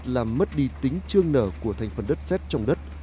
làm mất đi tính chương nở của thành phần đất xét trong đất